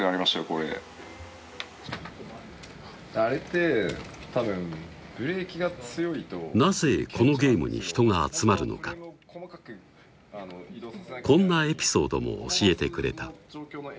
これであれって多分なぜこのゲームに人が集まるのかこんなエピソードも教えてくれた